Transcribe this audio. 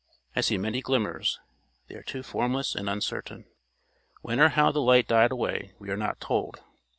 I see many glimmers: they are too formless and uncertain. When or how the light died away, we are not told.